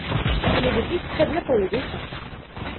Il est de plus très doué pour le dessin.